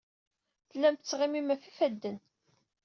Tellam tettɣimim ɣef yifadden.